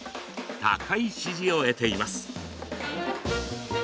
高い支持を得ています。